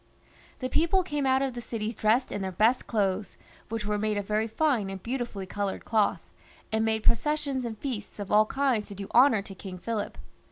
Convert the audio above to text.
The people came out of the cities dressed in their best clothes, which were made of very fine and beautifully coloured cloth, and made processions and feasts of aU kinds to do honour to King Philip.